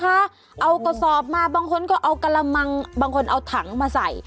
เอากระสอบมาบางคนก็เอากระมังบางคนเอาถังมาใส่